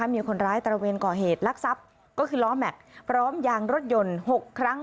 มีคนร้ายตระเวนก่อเหตุลักษัพก็คือล้อแม็กซ์พร้อมยางรถยนต์๖ครั้ง